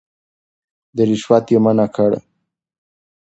رشوت يې منع کړ.